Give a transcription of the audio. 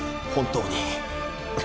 本当に。